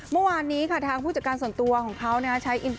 เมื่อวานนี้ค่ะทางผู้จัดการส่วนตัวของเขาใช้อินเตอร์